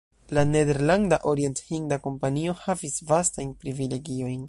La Nederlanda Orient-hinda Kompanio havis vastajn privilegiojn.